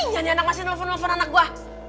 janji anak masih nelfon nelfon anak gue